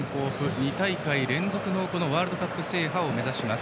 ２大会連続のワールドカップ制覇を目指します。